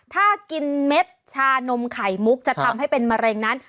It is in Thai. ถ้ากินเม็ดชานมไข่มุกจะทำให้เป็นมะเร็งนั้น